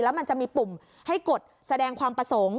แล้วมันจะมีปุ่มให้กดแสดงความประสงค์